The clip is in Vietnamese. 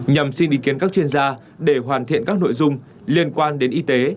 nhằm xin ý kiến các chuyên gia để hoàn thiện các nội dung liên quan đến y tế